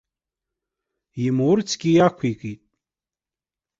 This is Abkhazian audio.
Имурцгьы иақәикит.